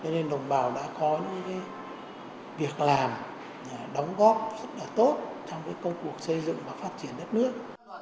nên đồng bào đã có những việc làm đóng góp rất là tốt trong công cuộc xây dựng và phát triển đất nước